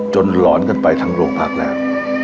หลอนกันไปทั้งโรงพักแล้ว